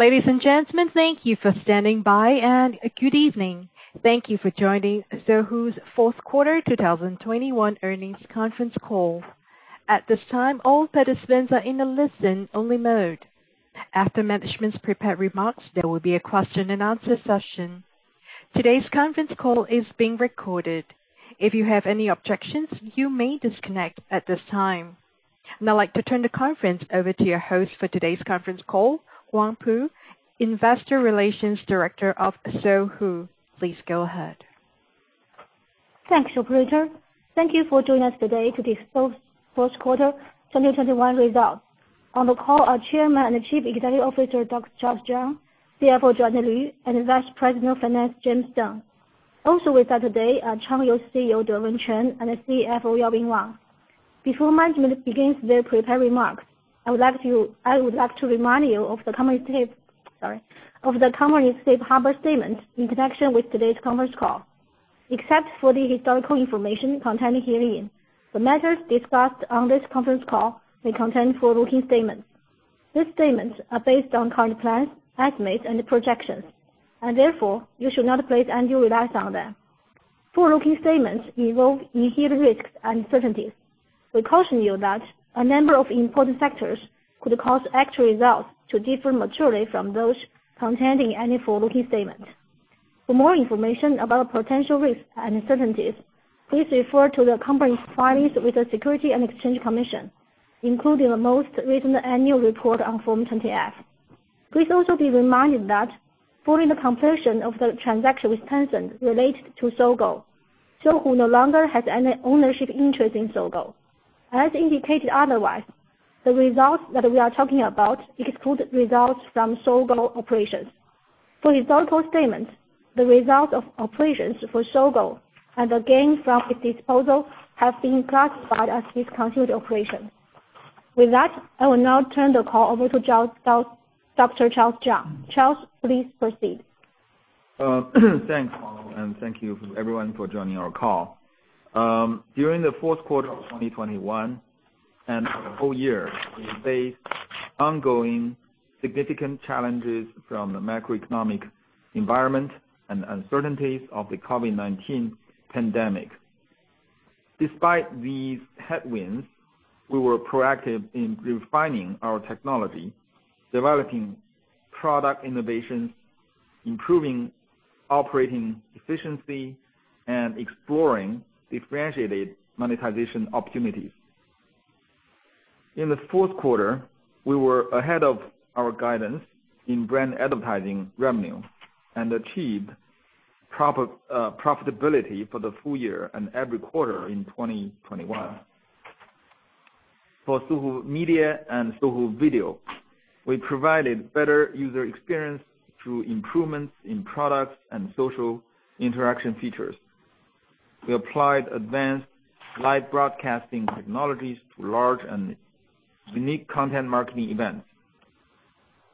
Ladies and gentlemen, thank you for standing by and good evening. Thank you for joining Sohu's fourth quarter 2021 earnings conference call. At this time, all participants are in a listen-only mode. After management's prepared remarks, there will be a question and answer session. Today's conference call is being recorded. If you have any objections, you may disconnect at this time. Now I'd like to turn the conference over to your host for today's conference call, Pu Huang, Investor Relations Director of Sohu. Please go ahead. Thanks, operator. Thank you for joining us today to discuss fourth quarter 2021 results. On the call are Chairman and Chief Executive Officer, Dr. Charles Zhang, CFO Joanna Lv, and Vice President of Finance, James Deng. Also with us today are Changyou CEO, Dewen Chen, and CFO Yaobin Wang. Before management begins their prepared remarks, I would like to remind you of the company's safe harbor statement in connection with today's conference call. Except for the historical information contained herein, the matters discussed on this conference call may contain forward-looking statements. These statements are based on current plans, estimates and projections, and therefore you should not place undue reliance on them. Forward-looking statements involve inherent risks and uncertainties. We caution you that a number of important factors could cause actual results to differ materially from those contained in any forward-looking statement. For more information about potential risks and uncertainties, please refer to the company's filings with the Securities and Exchange Commission, including the most recent annual report on Form 20-F. Please also be reminded that following the completion of the transaction with Tencent related to Sogou, Sohu no longer has any ownership interest in Sogou. As indicated otherwise, the results that we are talking about exclude results from Sogou operations. For historical statements, the results of operations for Sogou and the gain from the disposal have been classified as discontinued operations. With that, I will now turn the call over to Charles, Dr. Charles Zhang. Charles, please proceed. Thanks, Wang, and thank you everyone for joining our call. During the fourth quarter of 2021 and the whole year, we faced ongoing significant challenges from the macroeconomic environment and uncertainties of the COVID-19 pandemic. Despite these headwinds, we were proactive in refining our technology, developing product innovations, improving operating efficiency, and exploring differentiated monetization opportunities. In the fourth quarter, we were ahead of our guidance in brand advertising revenue and achieved profitability for the full year and every quarter in 2021. For Sohu Media and Sohu Video, we provided better user experience through improvements in products and social interaction features. We applied advanced live broadcasting technologies to large and unique content marketing events.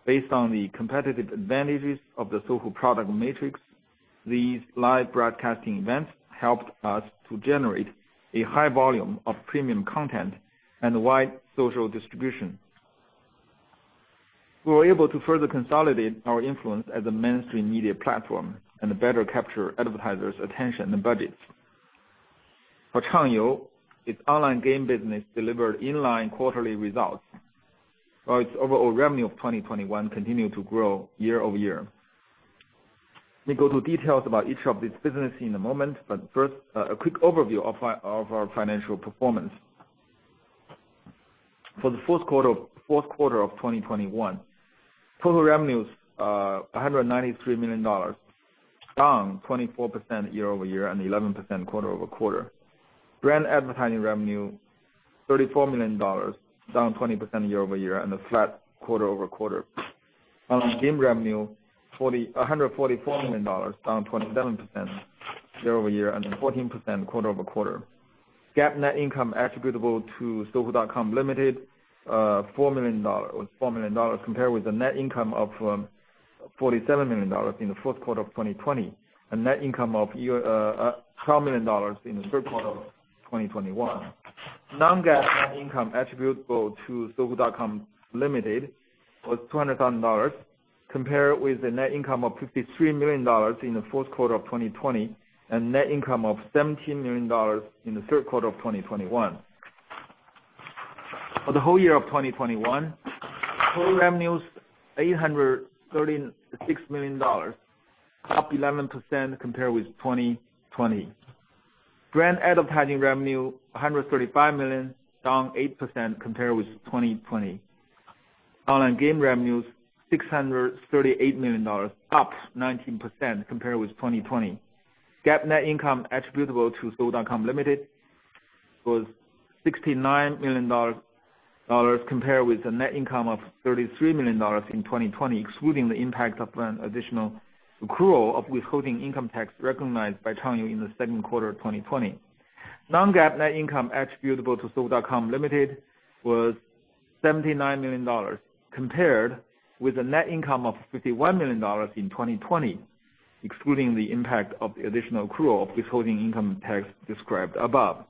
Based on the competitive advantages of the Sohu product matrix, these live broadcasting events helped us to generate a high volume of premium content and wide social distribution. We were able to further consolidate our influence as a mainstream media platform and better capture advertisers' attention and budgets. For Changyou, its online game business delivered in-line quarterly results, while its overall revenue of 2021 continued to grow year-over-year. Let me go to details about each of these businesses in a moment, but first, a quick overview of our financial performance. For the fourth quarter of 2021, total revenue was $193 million, down 24% year-over-year and 11% quarter-over-quarter. Brand advertising revenue $34 million, down 20% year-over-year and flat quarter-over-quarter. Online game revenue $144 million, down 27% year-over-year and 14% quarter-over-quarter. GAAP net income attributable to Sohu.com Limited $4 million. It was $4 million compared with the net income of $47 million in the fourth quarter of 2020, and net income of $12 million in the third quarter of 2021. Non-GAAP net income attributable to Sohu.com Limited was $200,000, compared with the net income of $53 million in the fourth quarter of 2020, and net income of $17 million in the third quarter of 2021. For the whole year of 2021, total revenue was $836 million, up 11% compared with 2020. Brand advertising revenue $135 million, down 8% compared with 2020. Online game revenue $638 million, up 19% compared with 2020. GAAP net income attributable to Sohu.com Limited was $69 million, compared with the net income of $33 million in 2020, excluding the impact of an additional accrual of withholding income tax recognized by Changyou in the second quarter of 2020. Non-GAAP net income attributable to Sohu.com Limited was $79 million, compared with a net income of $51 million in 2020, excluding the impact of the additional accrual of withholding income tax described above.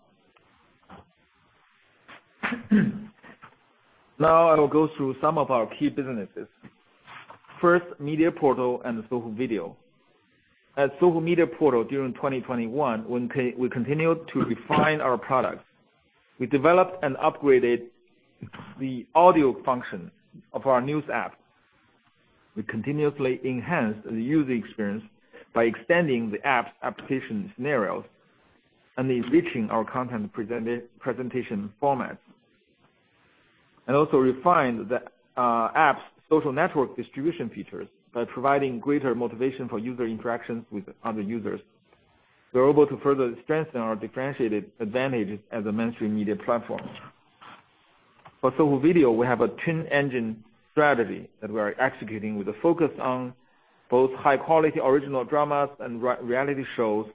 Now I will go through some of our key businesses. First, Sohu Media Portal and Sohu Video. At Sohu Media Portal during 2021, we continued to refine our products. We developed and upgraded the audio function of our news app. We continuously enhanced the user experience by extending the app's application scenarios and enriching our content presentation formats, and also refined the app's social network distribution features by providing greater motivation for user interactions with other users. We're able to further strengthen our differentiated advantages as a mainstream media platform. For Sohu Video, we have a twin engine strategy that we are executing with a focus on both high quality original dramas and reality shows,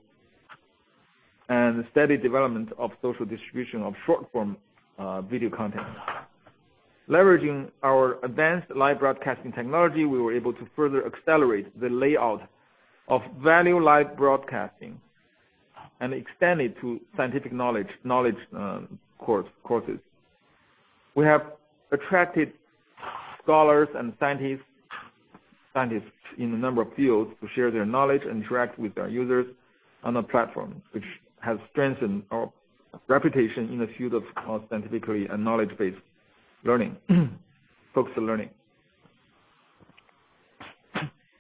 and the steady development of social distribution of short-form video content. Leveraging our advanced live broadcasting technology, we were able to further accelerate the layout of value live broadcasting and extend it to scientific knowledge courses. We have attracted scholars and scientists in a number of fields to share their knowledge and interact with our users on the platform, which has strengthened our reputation in the field of scientifically and knowledge-based focused learning.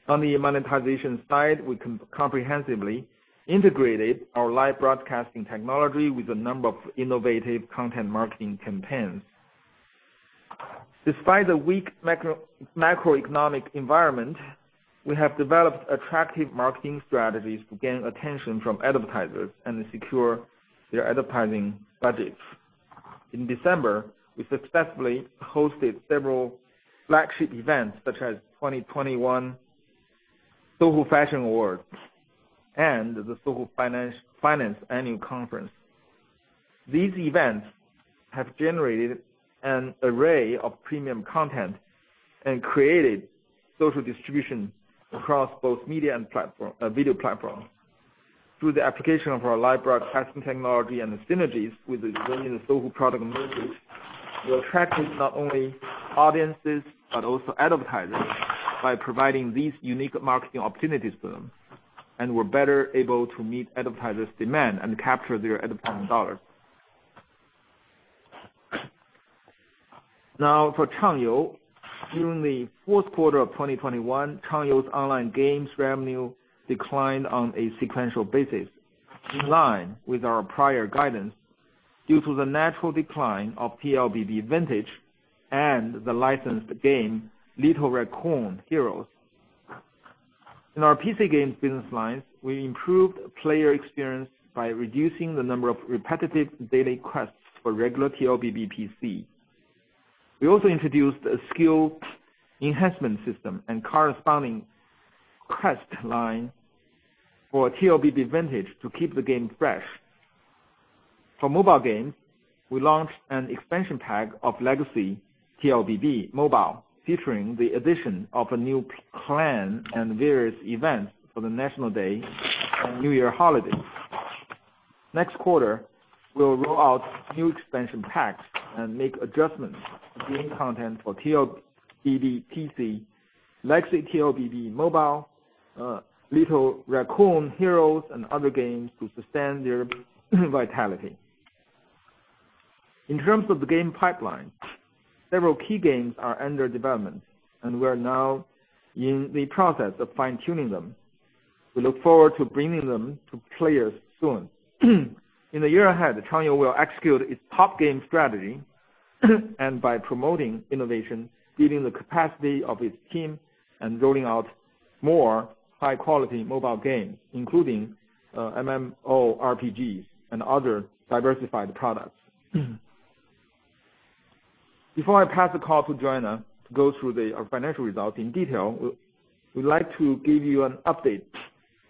On the monetization side, we comprehensively integrated our live broadcasting technology with a number of innovative content marketing campaigns. Despite the weak macroeconomic environment, we have developed attractive marketing strategies to gain attention from advertisers and to secure their advertising budgets. In December, we successfully hosted several flagship events such as 2021 Sohu Fashion Awards and the Sohu Finance Annual Conference. These events have generated an array of premium content and created social distribution across both media and platform, video platforms. Through the application of our live broadcasting technology and the synergies with the growing Sohu product mergers, we attracted not only audiences but also advertisers by providing these unique marketing opportunities to them, and we're better able to meet advertisers' demand and capture their advertising dollars. Now for Changyou. During the fourth quarter of 2021, Changyou's online games revenue declined on a sequential basis, in line with our prior guidance, due to the natural decline of TLBB Vintage and the licensed game, Little Raccoon Heroes. In our PC games business lines, we improved player experience by reducing the number of repetitive daily quests for regular TLBB PC. We also introduced a skill enhancement system and corresponding quest line for TLBB Vintage to keep the game fresh. For mobile games, we launched an expansion pack of Legacy TLBB Mobile, featuring the addition of a new clan and various events for the National Day and New Year holidays. Next quarter, we'll roll out new expansion packs and make adjustments to game content for TLBB PC, Legacy TLBB Mobile, Little Raccoon Heroes, and other games to sustain their vitality. In terms of the game pipeline, several key games are under development, and we are now in the process of fine-tuning them. We look forward to bringing them to players soon. In the year ahead, Changyou will execute its top game strategy and by promoting innovation, building the capacity of its team, and rolling out more high-quality mobile games, including, MMORPGs and other diversified products. Before I pass the call to Joanna to go through the financial results in detail, we'd like to give you an update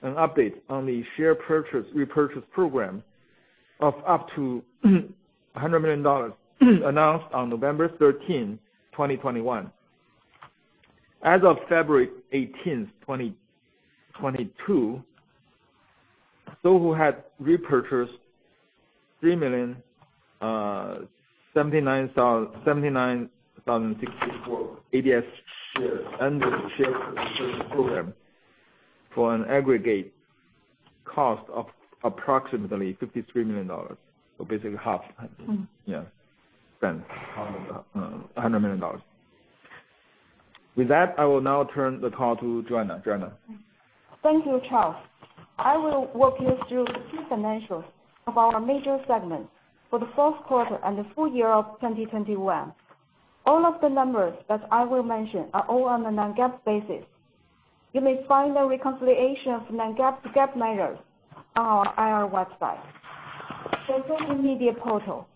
on the share repurchase program of up to $100 million announced on November 13, 2021. As of February 18, 2022, Sohu had repurchased 3,079,064 ADS shares under the share repurchase program for an aggregate cost of approximately $53 million. Basically half. Mm-hmm. Yeah. Spent half of the $100 million. With that, I will now turn the call to Joanna. Joanna? Thank you, Charles. I will walk you through the key financials of our major segments for the fourth quarter and the full year of 2021. All of the numbers that I will mention are all on a non-GAAP basis. You may find the reconciliation of non-GAAP to GAAP measures on our IR website. Starting with Sohu Media Portal.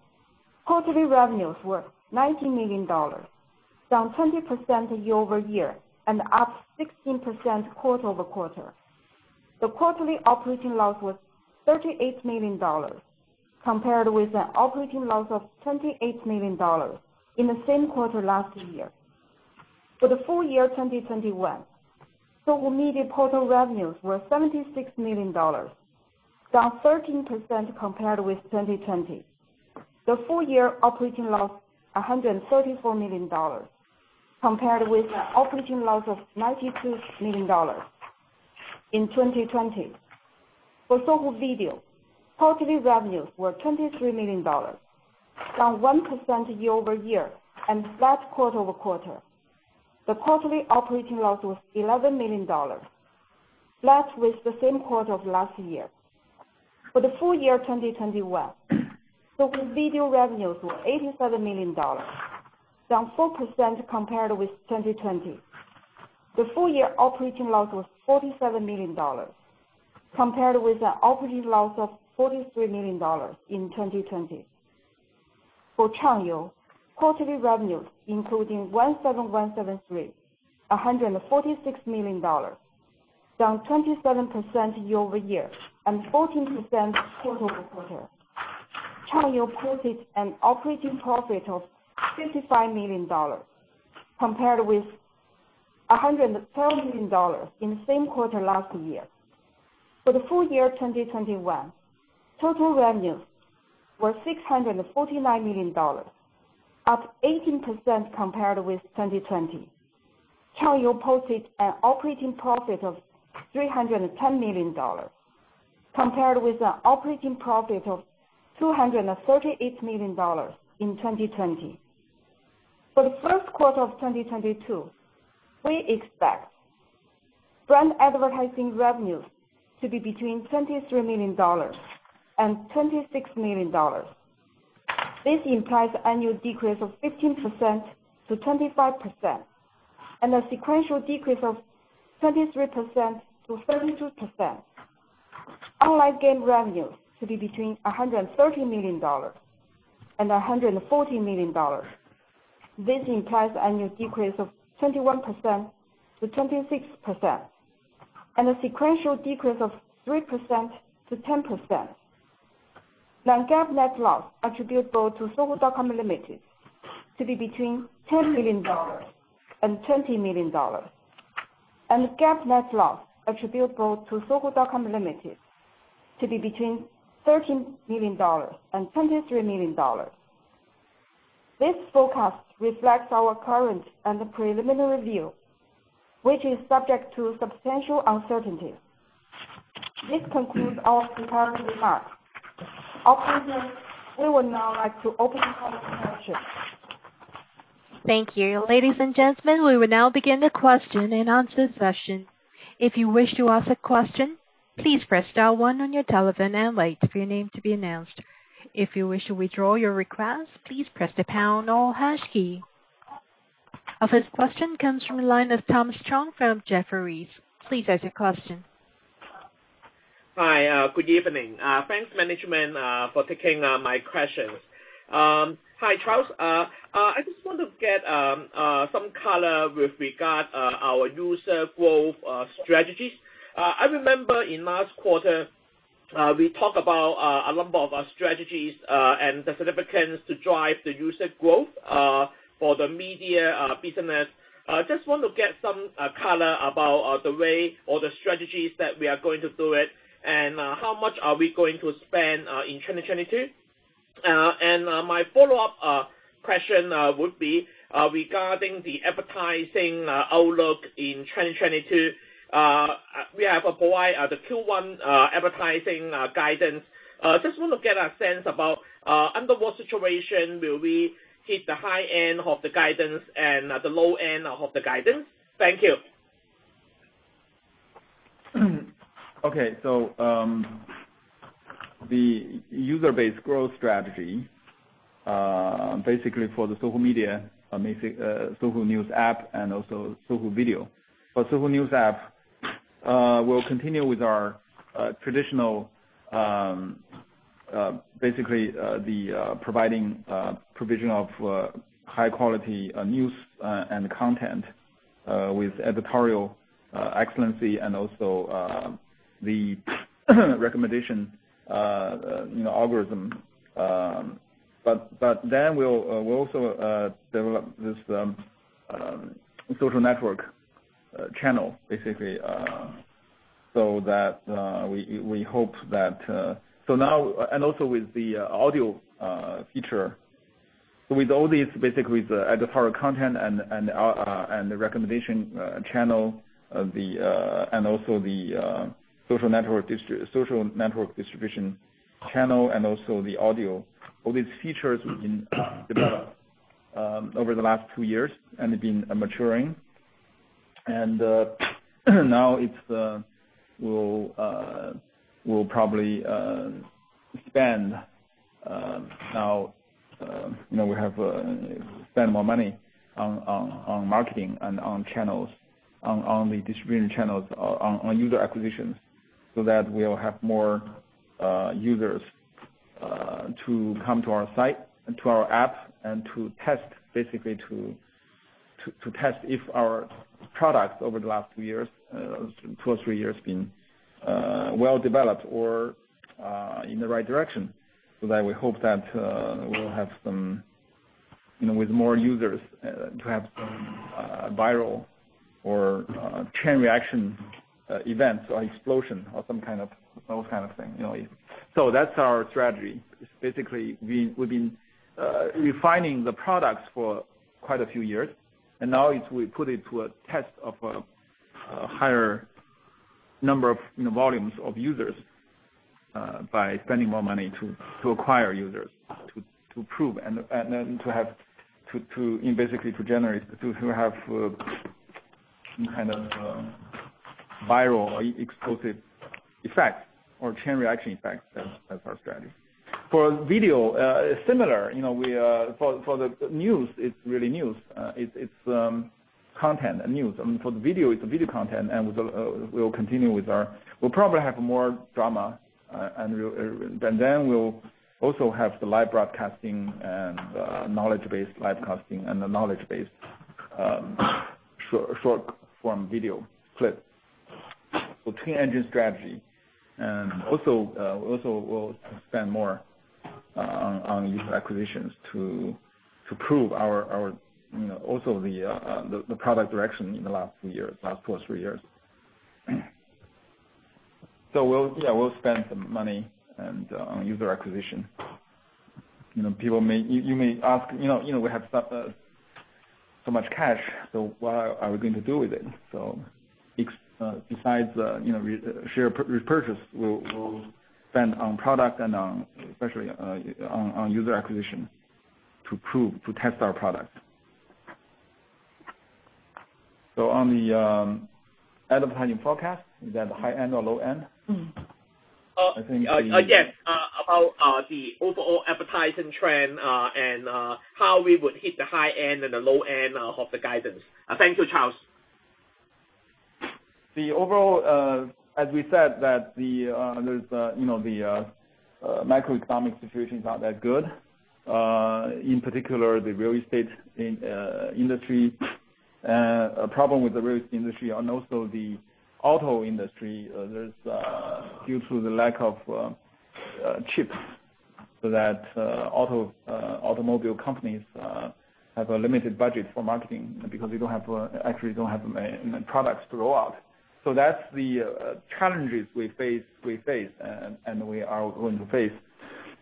Quarterly revenues were $90 million, down 20% year-over-year and up 16% quarter-over-quarter. The quarterly operating loss was $38 million, compared with an operating loss of $28 million in the same quarter last year. For the full year 2021, Sohu Media Portal revenues were $76 million, down 13% compared with 2020. The full year operating loss, $134 million, compared with an operating loss of $92 million in 2020. For Sohu Video, quarterly revenues were $23 million, down 1% year-over-year, and flat quarter-over-quarter. The quarterly operating loss was $11 million, flat with the same quarter of last year. For the full year 2021, Sohu Video revenues were $87 million, down 4% compared with 2020. The full year operating loss was $47 million, compared with an operating loss of $43 million in 2020. For Changyou, quarterly revenues, including 17173, $146 million, down 27% year-over-year, and 14% quarter-over-quarter. Changyou posted an operating profit of $55 million, compared with $104 million in the same quarter last year. For the full year 2021, total revenues were $649 million, up 18% compared with 2020. Changyou posted an operating profit of $310 million, compared with an operating profit of $238 million in 2020. For the first quarter of 2022, we expect brand advertising revenues to be between $23 million and $26 million. This implies annual decrease of 15%-25%, and a sequential decrease of 23%-32%. We expect online game revenues to be between $130 million and $140 million. This implies annual decrease of 21%-26%, and a sequential decrease of 3%-10%. We expect non-GAAP net loss attributable to Sohu.com Limited to be between $10 million and $20 million. We expect GAAP net loss attributable to Sohu.com Limited to be between $13 million and $23 million. This forecast reflects our current and preliminary view, which is subject to substantial uncertainty. This concludes our prepared remarks. Operators, we would now like to open the call for questions. Thank you. Ladies and gentlemen, we will now begin the question and answer session. If you wish to ask a question, please press star one on your telephone and wait for your name to be announced. If you wish to withdraw your request, please press the pound or hash key. Our first question comes from the line of Thomas Chong from Jefferies. Please ask your question. Hi, good evening. Thanks, management, for taking my questions. Hi, Charles. I just want to get some color with regard to our user growth strategies. I remember in last quarter, we talk about a number of our strategies and the significance to drive the user growth for the media business. Just want to get some color about the way or the strategies that we are going to do it, and how much are we going to spend in 2022. My follow-up question would be regarding the advertising outlook in 2022. We have above the Q1 advertising guidance. I just want to get a sense about under what situation will we hit the high end of the guidance and the low end of the guidance? Thank you. Okay. The user-based growth strategy, basically for the Sohu Media, the Sohu News app and also Sohu Video. For Sohu News app, we'll continue with our traditional, basically, the provision of high quality news and content with editorial excellence and also the recommendation, you know, algorithm. We'll also develop this social network channel, basically, so that we hope that. Now and also with the audio feature. With all these, basically the editorial content and the recommendation channel and also the social network distribution channel, and also the audio. All these features we've developed over the last two years, and they've been maturing. Now we'll probably spend more money on marketing and on channels, on the distribution channels, on user acquisitions, so that we'll have more users to come to our site and to our app and to test basically to test if our Products over the last two or three years have been well-developed or in the right direction, so that we hope that we'll have some. You know, with more users, to have some viral or chain reaction events or explosion or some kind of those kind of things, you know. That's our strategy. It's basically we've been refining the products for quite a few years, and now it's we put it to a test of a higher number of volumes of users by spending more money to acquire users to prove and then to have and basically to generate to have some kind of viral or explosive effect or chain reaction effect. That's our strategy. For video, similar, you know, for the news, it's really news. It's content and news. I mean, for the video, it's video content and we'll continue with our. We'll probably have more drama, and then we'll also have the live broadcasting and knowledge base broadcasting and the knowledge base short form video clips. Two-engine strategy, and also we'll spend more on user acquisitions to prove our, you know, also the product direction in the last few years, last two or three years. We'll spend some money on user acquisition. You know, you may ask, you know, we have so much cash, so what are we going to do with it? Besides the, you know, share repurchase, we'll spend on product and on, especially, on user acquisition to improve, to test our product. On the advertising forecast, is that the high end or low end? Mm-hmm. I think the- Yes. About the overall advertising trend, and how we would hit the high end and the low end of the guidance. Thank you, Charles. Overall, as we said that there's you know the macroeconomic situation is not that good. In particular the real estate industry. A problem with the real estate industry and also the auto industry due to the lack of chips so that automobile companies have a limited budget for marketing because they actually don't have products to roll out. That's the challenges we face and we are going to face.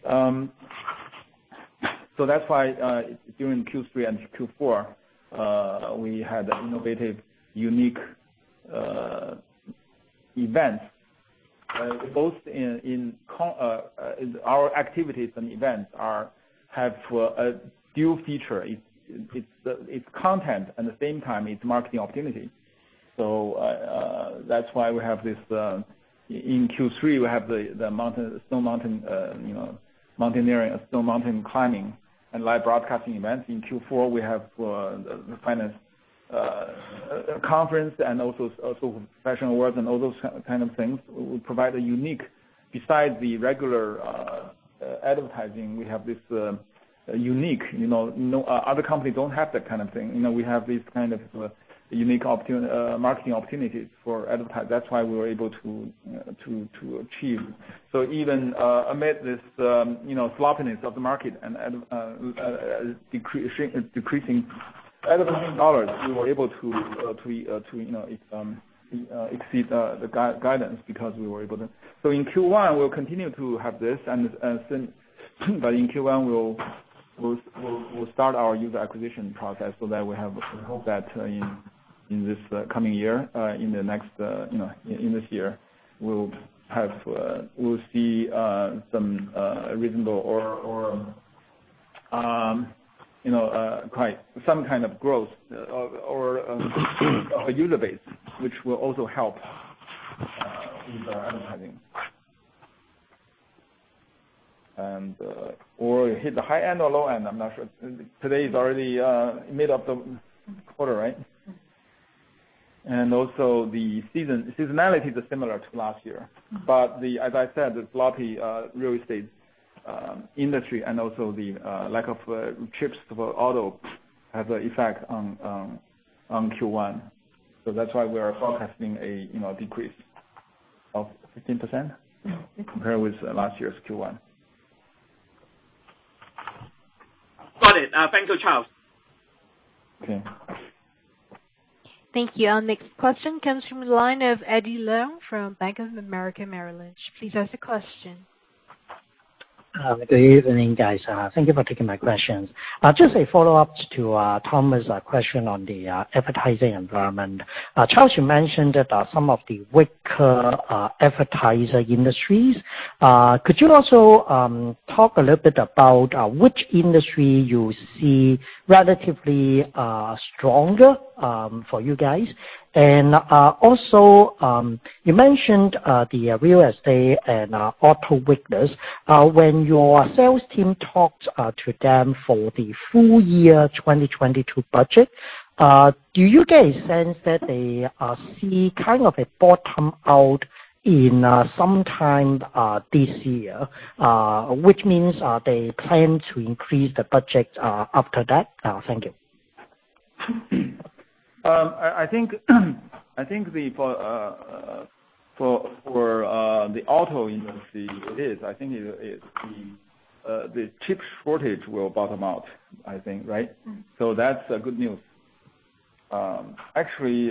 That's why during Q3 and Q4 we had innovative unique events both in content. In our activities and events have dual feature. It's content at the same time it's marketing opportunity. That's why we have this in Q3 we have the mountain the snow mountain you know mountaineering snow mountain climbing and live broadcasting events. In Q4 we have the finance conference and also professional awards and all those kind of things. We provide a unique, besides the regular advertising, we have this unique you know no other company don't have that kind of thing. You know we have these kind of unique marketing opportunities for advertisers. That's why we were able to achieve. Even amid this you know softness of the market and decreasing advertising dollars we were able to exceed the guidance because we were able to. In Q1, we'll continue to have this and spend, but in Q1, we'll start our user acquisition process so that we hope that in this coming year, in the next, you know, in this year, we'll see some reasonable or quite some kind of growth of a user base, which will also help with our advertising, or hit the high end or low end. I'm not sure. Today is already mid of the quarter, right? Mm-hmm. The seasonality is similar to last year. Mm-hmm. As I said, the slowing real estate industry and also the lack of chips for auto have an effect on Q1. That's why we are forecasting a, you know, decrease of 15%. Yeah. Compared with last year's Q1. Got it. Thank you, Charles. Okay. Thank you. Our next question comes from the line of Eddie Leung from Bank of America Merrill Lynch. Please ask the question. Good evening, guys. Thank you for taking my questions. Just a follow-up to Tom's question on the advertising environment. Charles, you mentioned that some of the weaker advertiser industries. Could you also talk a little bit about which industry you see relatively stronger for you guys? Also, you mentioned the real estate and auto weakness. When your sales team talks to them for the full year 2022 budget, do you get a sense that they see kind of a bottom out in sometime this year? Which means they plan to increase the budget after that. Thank you. I think for the auto industry, it is. I think the chip shortage will bottom out, I think, right? Mm-hmm. That's good news. Actually,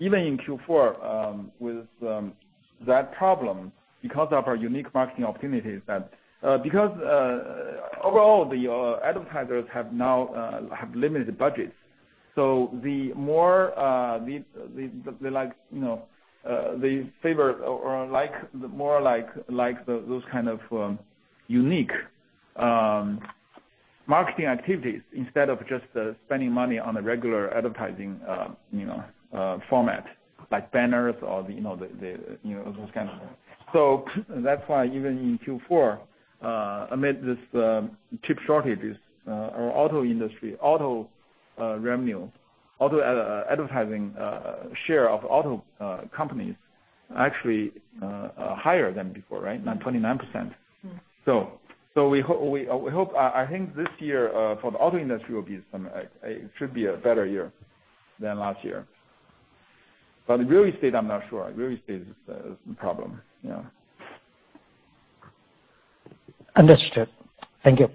even in Q4, with that problem because of our unique marketing opportunities because overall the advertisers now have limited budgets, so the more like, you know, they favor or like more like those kind of unique marketing activities instead of just spending money on a regular advertising, you know, format, like banners or the, you know, those kind of things. That's why even in Q4, amid this chip shortages, our auto industry, auto revenue, auto advertising share of auto companies are actually higher than before, right? Now 29%. Mm-hmm. We hope. I think this year for the auto industry will be somewhat. It should be a better year than last year. Real estate, I'm not sure. Real estate is a problem, you know. Understood. Thank you.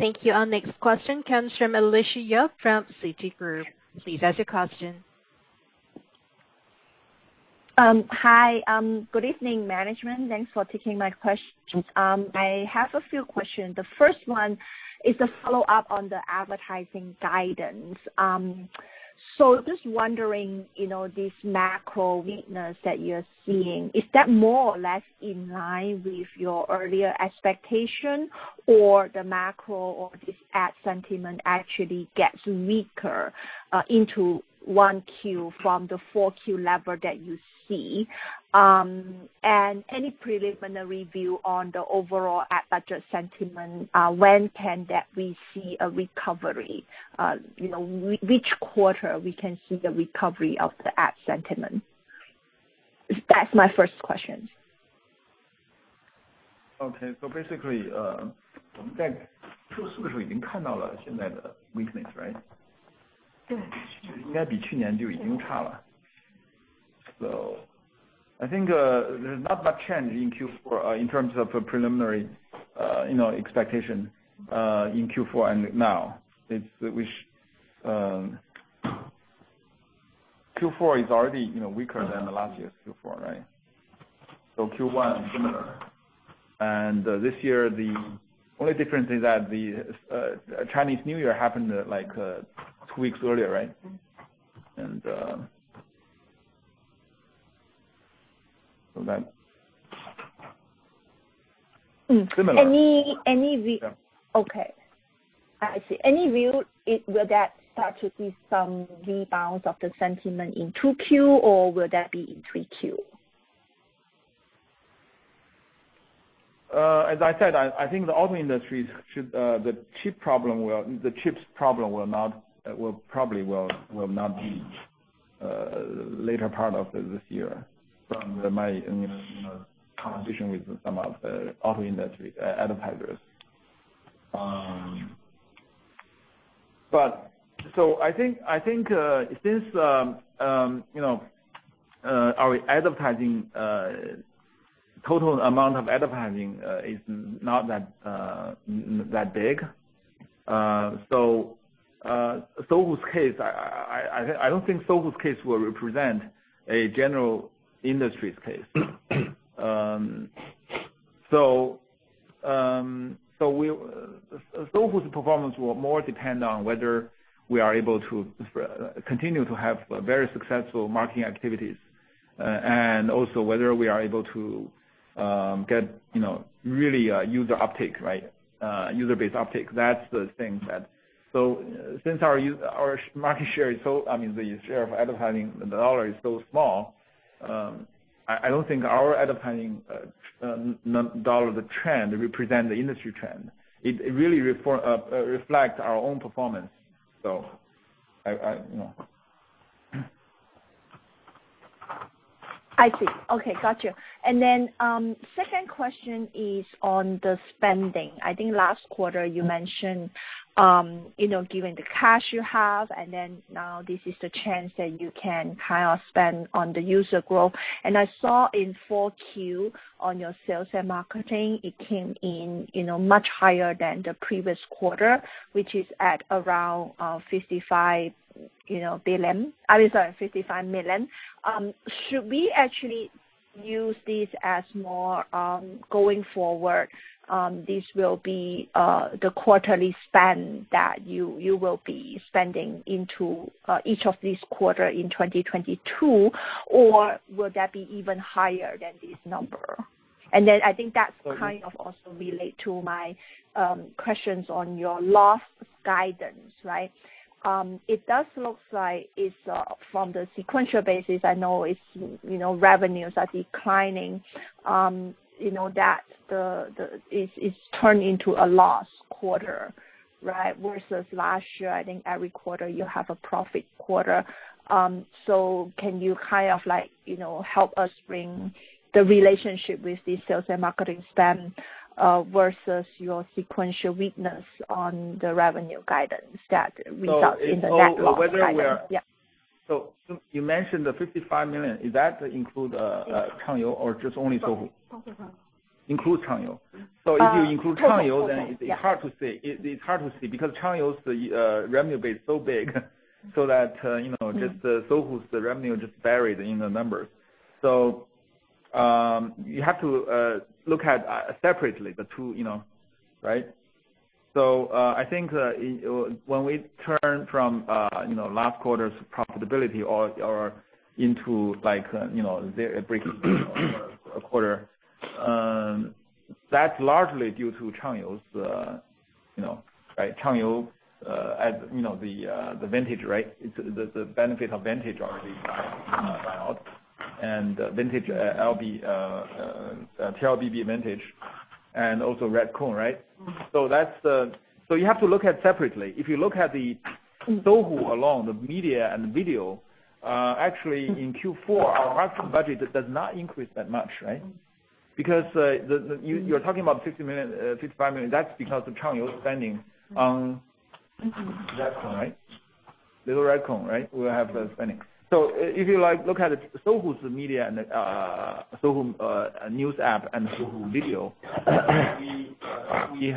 Thank you. Our next question comes from Alicia Yap from Citigroup. Please ask your question. Hi. Good evening, management. Thanks for taking my questions. I have a few questions. The first one is a follow-up on the advertising guidance. So just wondering, you know, this macro weakness that you're seeing, is that more or less in line with your earlier expectation or the macro or this ad sentiment actually gets weaker, into 1Q from the 4Q level that you see? And any preliminary view on the overall ad budget sentiment, when can we see a recovery? You know, which quarter we can see the recovery of the ad sentiment? That's my first question. Okay. Basically, I think there's not much change in Q4 in terms of a preliminary you know expectation in Q4 and now. Q4 is already you know weaker than the last year's Q4, right? Q1 similar. This year, the only difference is that the Chinese New Year happened like two weeks earlier, right? Mm-hmm. And, uh... So that- Mm. Similar. Any, any vi- Yeah. Okay. I see. Any view will that start to see some rebounds of the sentiment in 2Q or will that be in 3Q? As I said, I think the chips problem will probably not be later part of this year from my you know conversation with some of the auto industry advertisers. I think since you know our advertising total amount of advertising is not that big. In Sohu's case, I don't think Sohu's case will represent a general industry's case. Sohu's performance will more depend on whether we are able to continue to have very successful marketing activities and also whether we are able to get you know really user uptake, right? User base uptake. That's the thing that Since our market share is so, I mean, the share of advertising, the dollar is so small, I don't think our advertising dollar trend represent the industry trend. It really reflect our own performance. I, you know. I see. Okay. Got you. Second question is on the spending. I think last quarter you mentioned, you know, given the cash you have, and then now this is the chance that you can kind of spend on the user growth. I saw in 4Q on your sales and marketing, it came in, you know, much higher than the previous quarter, which is at around $55 million. Should we actually use this as more, going forward, this will be the quarterly spend that you will be spending into each of these quarter in 2022? Or will that be even higher than this number? I think that kind of also relate to my questions on your last guidance, right? It does look like it's from the sequential basis. I know it's, you know, revenues are declining, you know, that it's turned into a loss quarter. Right. Versus last year, I think every quarter you have a profit quarter. Can you kind of like, you know, help us bring the relationship with the sales and marketing spend versus your sequential weakness on the revenue guidance that results- So- in the net loss guidance. Whether we are- Yeah. You mentioned the $55 million. Is that include Changyou or just only Sohu? Both of them. Include Changyou. Uh. If you include Changyou. Both of them. Yeah. It's hard to see because Changyou's revenue base is so big so that, you know- Mm-hmm Just Sohu's revenue just buried in the numbers. You have to look at separately the two, you know, right? I think when we turn from last quarter's profitability or into like breakeven quarter, that's largely due to Changyou's. Right. Changyou, as you know, the TLBB Vintage, right? It's the benefit of Vintage already and TLBB Vintage, and also Little Raccoon Heroes, right? Mm-hmm. You have to look at separately. If you look at the Sohu along the media and video, actually in Q4, our marketing budget does not increase that much, right? Because you're talking about $50 million, $55 million, that's because of Changyou spending on- Mm-hmm. Red Cone, right? Little Red Cone, right? We have the spending. If you like, look at it, Sohu's media and Sohu news app and Sohu Video, we, you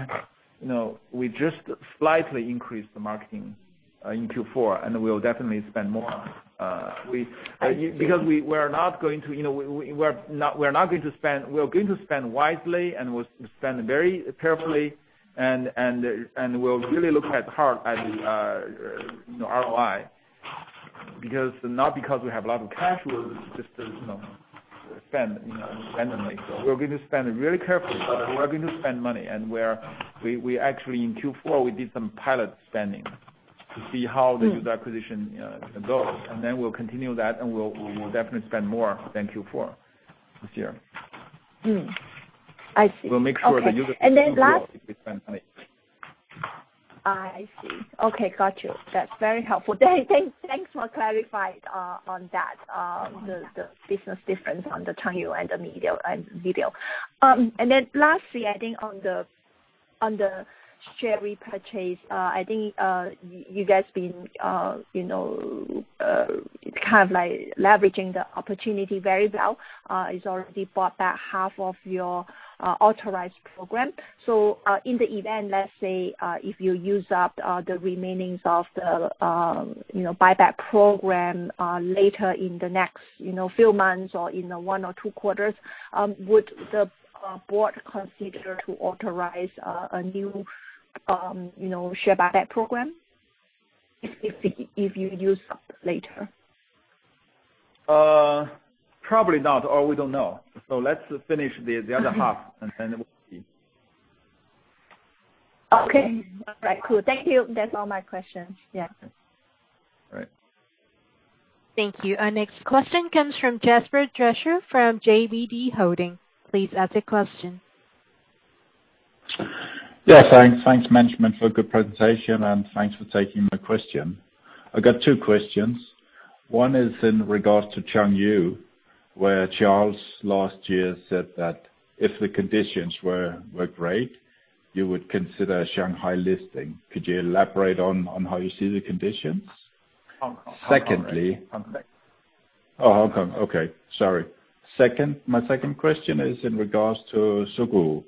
know, just slightly increased the marketing in Q4, and we'll definitely spend more. We- I see. Because we're not going to, you know, spend. We're going to spend wisely, and we'll spend very carefully, and we'll really look hard at, you know, ROI. Not because we have a lot of cash, we'll just, you know, spend the money. We're going to spend it very carefully, but we're going to spend money. We actually in Q4, we did some pilot spending to see how the user acquisition goes. Then we'll continue that, and we will definitely spend more than Q4 this year. Mm-hmm. I see. We'll make sure the user. Okay. Last- If we spend money. I see. Okay. Got you. That's very helpful. Thanks for clarifying on that, the business difference on the Changyou and the media, and video. Lastly, I think on the share repurchase, I think you guys been, you know, kind of like leveraging the opportunity very well. It's already bought back half of your authorized program. In the event, let's say, if you use up the remaining of the, you know, buyback program later in the next, you know, few months or in a one or two quarters, would the board consider to authorize a new, you know, share buyback program if you use up later? Probably not, or we don't know. Let's finish the other half, and then we'll see. Okay. All right, cool. Thank you. That's all my questions. Yeah. All right. Thank you. Our next question comes from Jasper Drescher from JVD Holding. Please ask your question. Yeah. Thanks. Thanks, management, for a good presentation, and thanks for taking my question. I've got two questions. One is in regards to Changyou, where Charles last year said that if the conditions were great, you would consider a Shanghai listing. Could you elaborate on how you see the conditions? Hong Kong. Secondly- Hong Kong. Oh, Hong Kong. Okay. Sorry. My second question is in regards to Sogou.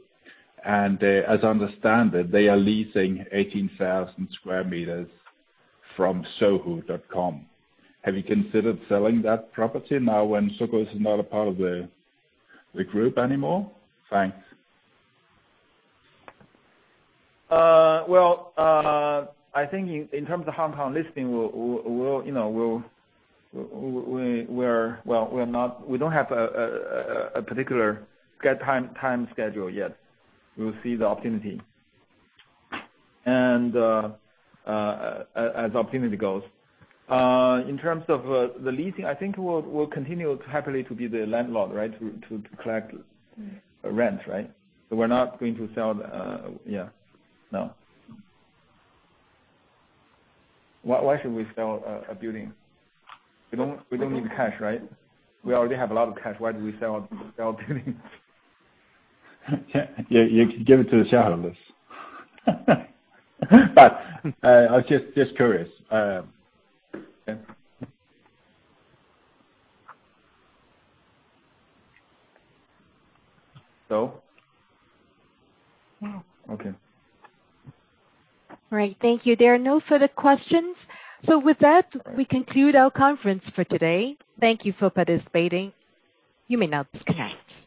As I understand it, they are leasing 18,000 sq m from sohu.com. Have you considered selling that property now when Sogou is not a part of the group anymore? Thanks. Well, I think in terms of Hong Kong listing, you know, we don't have a particular time schedule yet. We'll see the opportunity as opportunity goes. In terms of the leasing, I think we'll continue happily to be the landlord, right? To collect rent, right? We're not going to sell. Yeah. No. Why should we sell a building? We don't need cash, right? We already have a lot of cash. Why do we sell buildings? Yeah. You can give it to the shareholders. I was just curious. Yeah. So? Okay. All right. Thank you. There are no further questions. With that, we conclude our conference for today. Thank you for participating. You may now disconnect.